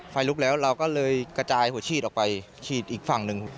ไฟลุกแล้วเราก็เลยกระจายหัวฉีดออกไปฉีดอีกฝั่งหนึ่ง